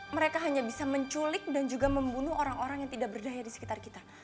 mereka hanya bisa menculik dan juga membunuh orang orang yang tidak berdaya di sekitar kita